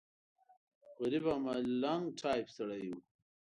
غریب او ملنګ ټایف سړی و.